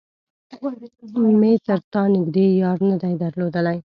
مې تر تا نږدې يار نه دی درلودلی.